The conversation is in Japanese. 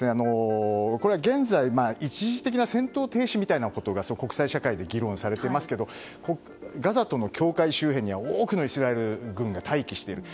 現在一時的な戦闘停止みたいなことが国際社会で議論されていますがガザとの境界には多くのイスラエル軍が待機している。